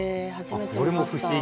あっこれも不思議。